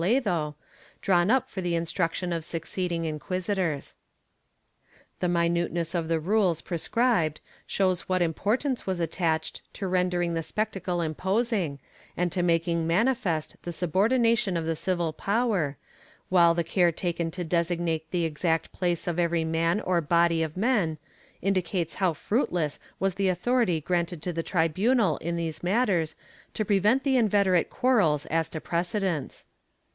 214 TEE A UTO DE FE [Book VII drawn up for the instruction of succeeding inquisitors/ The min uteness of the rules prescribed shows what importance was attached to rendering the spectacle imposing and to making manifest the subordination of the civil power, while the care taken to designate the exact place of every man or body of men indicates how fruit less was the authority granted to the tribunal in these matters to prevent the inveterate quarrels as to precedence.